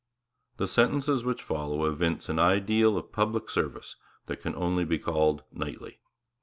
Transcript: The sentences which follow evince an ideal of public service that can only be called knightly.